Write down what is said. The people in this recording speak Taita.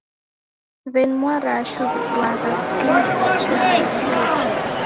W'eni mwarashu w'iduagha wikinywa uji na vifuru.